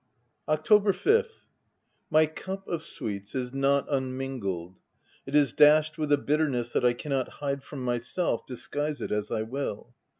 October 5th. — My cup of sweets is not unmingled : it is dashed with a bitterness that I cannot hide from myself, disguise it as I will.